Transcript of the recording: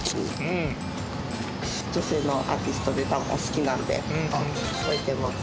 女性のアーティストで多分お好きなので置いてます。